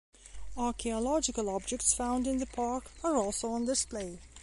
Archaeological objects found in the park are also on display.